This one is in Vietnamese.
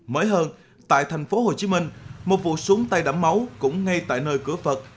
mới hơn tại thành phố hồ chí minh một vụ xuống tay đắm máu cũng ngay tại nơi cửa phật